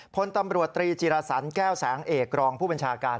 พลตำรวจตรีจิรสันแก้วแสงเอกรองผู้บัญชาการ